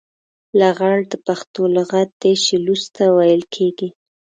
لغړ د پښتو لغت دی چې لوڅ ته ويل کېږي.